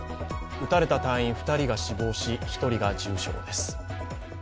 撃たれた隊員２人が２人が死亡し１人は重傷です。